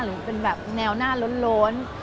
หรือเป็นแบบแนวหน้าล้น